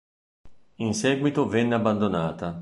In seguito venne abbandonata.